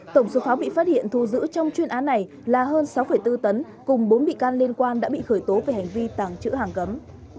tổng số pháo bị phát hiện thu giữ trong chuyên án này là hơn sáu bốn tấn cùng bốn bị can liên quan đã bị khởi tố về hành vi tàng trữ hàng cấm